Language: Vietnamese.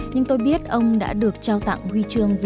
nhưng tôi biết ông đã được trao tặng huy chương